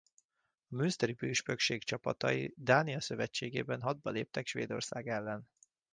A Münsteri Püspökség csapatai Dánia szövetségében hadba léptek Svédország ellen.